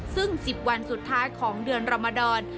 ซึ่ง๑๐วันสุดท้ายของเดือนรมดร